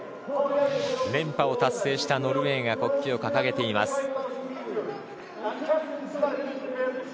連覇を達成したノルウェーが国旗を掲げています。